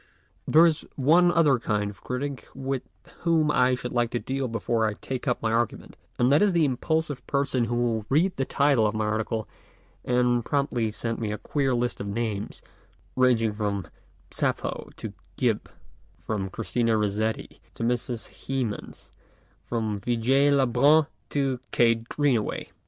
There is one other kind of critic with whom I should like to deal before I take up my argument, and that is the impulsive 126 MONOLOGUES person who will read the title of my article, and promptly send me a queer list of names, ranging from Sapho to Gyp, from Christina Rossetti to Mrs. Hemans, from Vigee le Brun to Kate Greenaway.